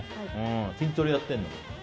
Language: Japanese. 筋トレやってるんだ。